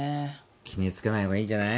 決めつけないほうがいいんじゃない？